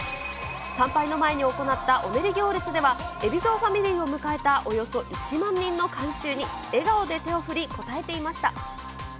参拝の前に行ったお練り行列では、海老蔵ファミリーを迎えたおよそ１万人の観衆に笑顔で手を振り、応えていました。